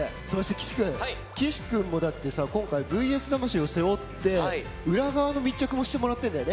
岸君も今回「ＶＳ魂」を背負って裏側の密着もしてもらっているんだよね。